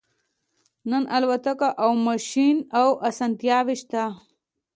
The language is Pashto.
نن الوتکه او ماشین او اسانتیاوې شته